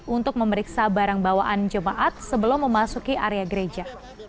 untuk memeriksa barang bawaan jemaat sebelum memasuki area gereja